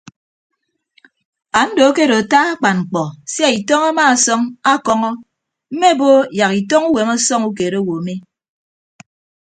Ando akedo ata akpan mkpọ sia itọñ amaasọñ akọñọ mme mbo yak itọñ uwem ọsọñ ukeed owo mi.